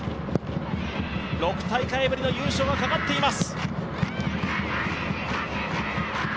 ６大会ぶりの優勝がかかっています。